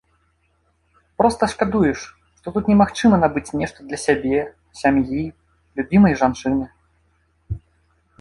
Проста шкадуеш, што тут немагчыма набыць нешта для сябе, сям'і, любімай жанчыны.